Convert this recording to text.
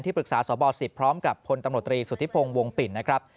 ที่ปรึกษาสวบอบศิษย์พร้อมกับพลตำรวจรีสุธิพงศ์วงปิ่นนะครับ